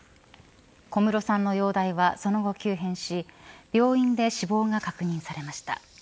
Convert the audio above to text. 小室さんの容体はその後、急変し病院で死亡が確認されました。